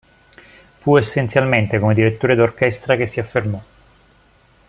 Fu essenzialmente come direttore d'orchestra che si affermò.